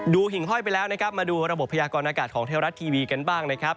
หิ่งห้อยไปแล้วนะครับมาดูระบบพยากรณากาศของเทวรัฐทีวีกันบ้างนะครับ